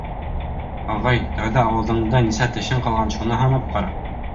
Ағай, тәүҙә ауыҙыңда нисә тешең ҡалған, шуны һанап ҡара!